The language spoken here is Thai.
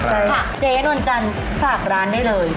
ใช่ค่ะเจ๊นวลจันทร์ฝากร้านได้เลย